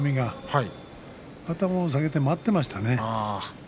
頭を下げて待っていましたね。